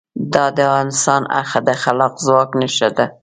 دا د انسان د خلاق ځواک نښه ده.